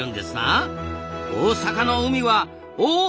大阪の海はおお！